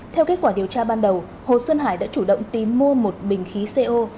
theo kết quả điều tra ban đầu hồ xuân hải đã chủ động tìm mua một bình khí co